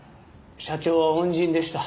社長は恩人でした。